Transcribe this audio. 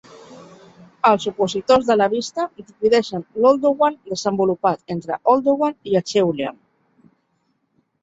Els opositors de la vista divideixen l'Oldowan desenvolupat entre Oldowan i Acheulean.